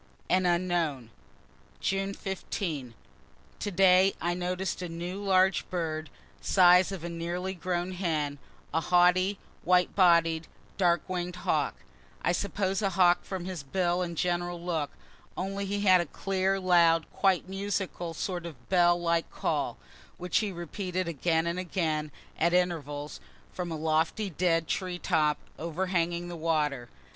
AN UNKNOWN June 15. To day I noticed a new large bird, size of a nearly grown hen a haughty, white bodied dark wing'd hawk I suppose a hawk from his bill and general look only he had a clear, loud, quite musical, sort of bell like call, which he repeated again and again, at intervals, from a lofty dead tree top, overhanging the water.